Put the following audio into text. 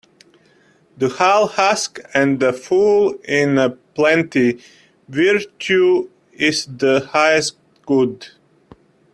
The hull husk and the full in plenty Virtue is the highest good.